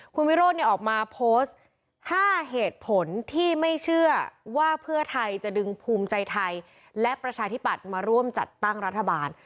คุณวิโรธออกมาโพสต์๕เหตุผลที่ไม่เชื่อว่าเพื่อไทยจะดึงภูมิใจไทยและประชาธิปัตย์มาร่วมจัดตั้งรัฐบาล